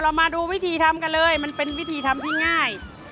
มาดูวิธีทำกันเลยมันเป็นวิธีทำที่ง่าย